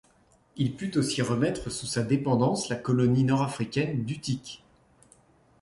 Il put aussi remettre sous sa dépendance la colonie nord-africaine d'Utique.